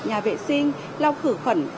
nhà vệ sinh lau khử khẩn